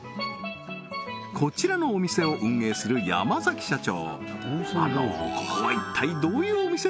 こちらのお店を運営する山社長